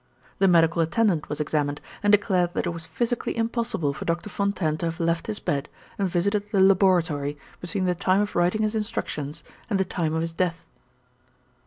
The medical attendant was examined, and declared that it was physically impossible for Doctor Fontaine to have left his bed, and visited the laboratory, between the time of writing his Instructions and the time of his death.